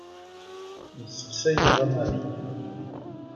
Yesteqsa Yuba Mary.